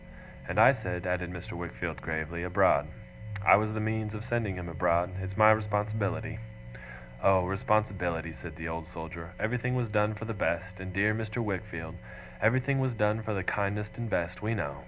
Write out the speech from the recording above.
'And I said' added Mr. Wickfield gravely, 'abroad. I was the means of sending him abroad. It's my responsibility.' 'Oh! Responsibility!' said the Old Soldier. 'Everything was done for the best, my dear Mr. Wickfield; everything was done for the kindest and best, we know.